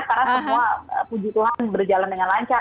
karena semua puji tuhan berjalan dengan lancar